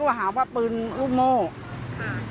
ก็หาว่าปืนรูปโม่อ่า